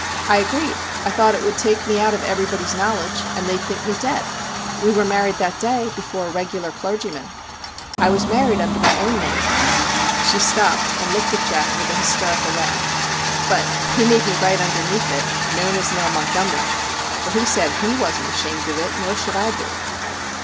I agreed I thought it would take me out of everybody's knowledge and they'd think me dead ! We were married that day before a regular clergyman. I was married under my own name,' she stopped and looked at Jack with an hysterical laugh ' but he made me write underneath it, "known as Nell Montgomery "; for he said he wasn't ashamed of it nor should I be.'